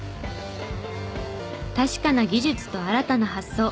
確かな技術と新たな発想。